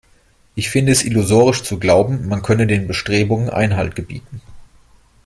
Ich finde es illusorisch zu glauben, man könne den Bestrebungen Einhalt gebieten.